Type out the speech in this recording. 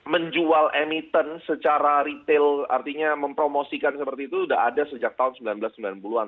menjual emiten secara retail artinya mempromosikan seperti itu sudah ada sejak tahun seribu sembilan ratus sembilan puluh an